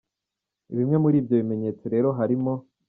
Bimwe muri ibyo bimenyetso rero harimo:.